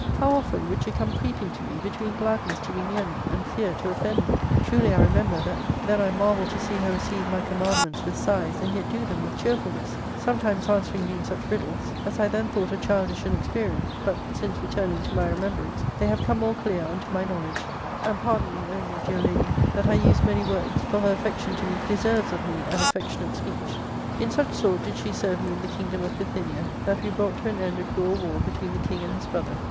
How often would she come creeping to me, between gladness to be near me and fear to offend me I Truly I remember that then I marvelled to see her receive my commandments with sighs, and yet do them with cheerfulness, sometimes answering me in such riddles as I then thought a childish inexperience ; but, since returning to my remembrance, they have come more clear unto my knowledge ; and pardon me, only dear lady, that I use many words, for her affection to me deserves of me an affectionate speech* "In such sort did she serve me in the kingdom of Bithynia, that we brought to an end a cruel war between the king and his brother.